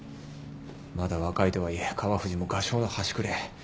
まだ若いとはいえ川藤も画商の端くれ。